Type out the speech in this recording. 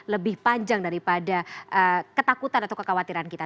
lebih panjang daripada ketakutan atau kekhawatiran kita